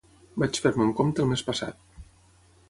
Vaig fer-me un compte el mes passat.